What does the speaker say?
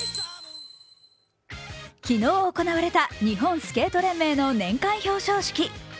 昨日行われた日本スケート連盟の年間表彰式。